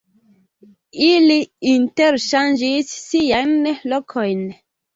Ili interŝanĝis siajn lokojn.